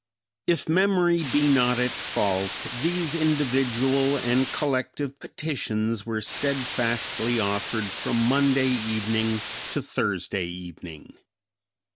If memory be not at fault, these individual and collective petitions were steadfastly offered from Monday evening to Thursday evening.